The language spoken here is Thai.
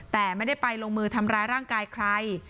แต่ไม่ได้ไปลงมือทำร้ายร่างกายใคร